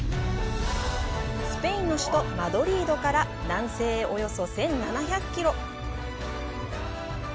スペインの首都マドリードから南西へおよそ１７００キロ。